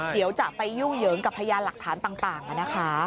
เดี๋ยวจะไปยุ่งเหยิงกับพยานหลักฐานต่างนะคะ